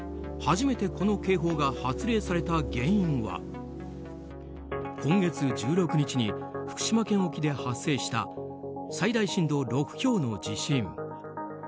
初めてこの警報が発令された原因は今月１６日に福島県沖で発生した最大震度６強の地震。